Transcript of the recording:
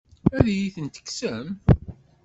Ad iyi-tent-tekksem?